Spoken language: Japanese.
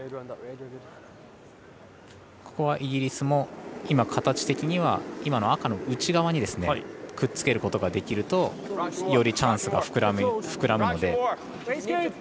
イギリスも形的には今の、赤の内側にくっつけることができるとよりチャンスがふくらむので。